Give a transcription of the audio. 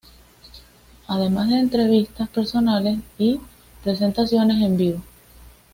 Además de entrevistas personales y presentaciones en vivo.